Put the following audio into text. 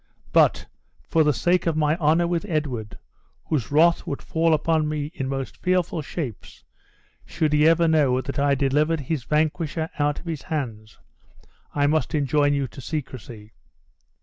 But, for the sake of my honor with Edward, whose wrath would fall upon me in most fearful shapes should he ever know that I delivered his vanquisher out of his hands, I must enjoin you to secrecy.